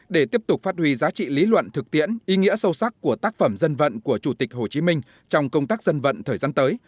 để tiếp tục phát huy giá trị lý luận thực tiễn ý nghĩa sâu sắc của tác phẩm dân vận của chủ tịch hồ chí minh trong công tác dân vận thời gian tới